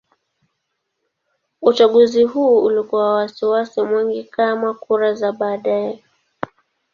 Uchaguzi huu ulikuwa na wasiwasi mwingi kama kura za baadaye.